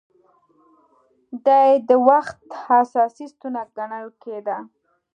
دې د وخت اساسي ستونزه ګڼل کېده